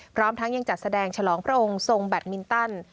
พร้อมทั้งยังจัดแสดงฉลองพระองค์ทรงแบตมินตัน